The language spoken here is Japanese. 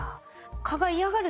蚊が嫌がる